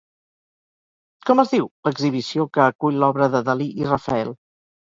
Com es diu l'exhibició que acull l'obra de Dalí i Rafael?